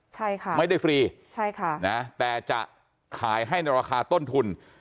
ใช่ค่ะไม่ได้ฟรีแต่จะขายให้ในราคาต้นทุน